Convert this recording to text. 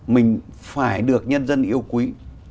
mình phải được nhân dân yêu quý